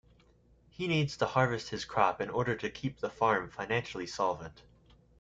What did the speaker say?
He needs to harvest his crop in order to keep the farm financially solvent.